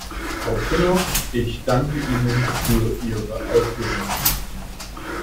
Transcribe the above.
Frau Kinnock, ich danke Ihnen für Ihre Ausführungen.